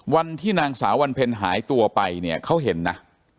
วันที่นางสาววันเพ็ญหายตัวไปเนี่ยเขาเห็นนะ